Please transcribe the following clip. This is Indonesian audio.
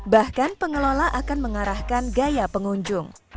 bahkan pengelola akan mengarahkan gaya pengunjung